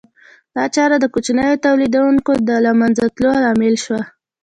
دا چاره د کوچنیو تولیدونکو د له منځه تلو لامل شوه